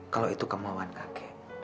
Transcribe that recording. kalau itu kemauan kek